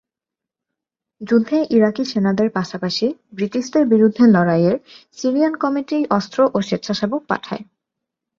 যুদ্ধে ইরাকি সেনাদের পাশাপাশি ব্রিটিশদের বিরুদ্ধে লড়াইয়ের সিরিয়ান কমিটি অস্ত্র ও স্বেচ্ছাসেবক পাঠায়।